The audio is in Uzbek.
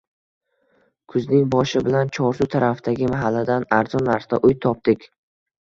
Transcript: Kuzning boshi bilan Chorsu tarafdagi mahalladan arzon narxda uy topdik